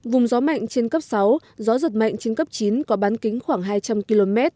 vùng gió mạnh trên cấp sáu gió giật mạnh trên cấp chín có bán kính khoảng hai trăm linh km